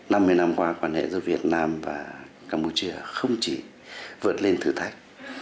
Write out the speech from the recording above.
năm mươi năm qua quan hệ giữa việt nam và campuchia không chỉ vượt lên thử thách